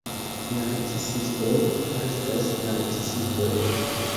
Narcisistoj restas narcisistoj.